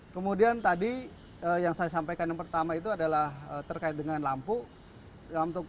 kemudian tadi yang saya sampaikan yang pertama itu adalah terkait dengan lampu